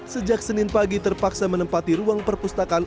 sejak senin pagi terpaksa menempati ruang perpustakaan